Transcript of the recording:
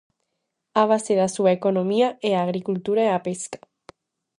A base da súa economía é a agricultura e a pesca.